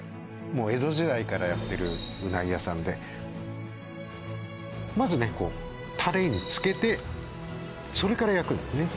もう江戸時代からやってるうなぎ屋さんでまずねこうタレにつけてそれから焼くんですね